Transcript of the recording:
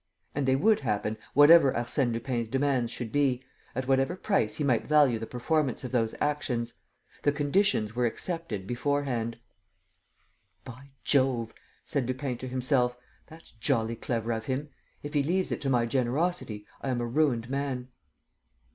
And they would happen, whatever Arsène Lupin's demands should be, at whatever price he might value the performance of those actions. The conditions were accepted beforehand. "By Jove," said Lupin to himself, "that's jolly clever of him! If he leaves it to my generosity, I am a ruined man!"